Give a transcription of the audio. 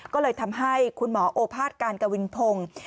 ก็เลยทำให้คุณหมอโอภาษการกวินพงศ์